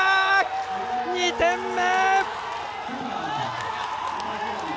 ２点目！